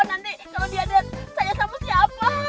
nanti kalau dia lihat saya sama siapa